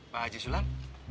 pak haji sulam